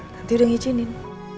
nanti udah ngijinin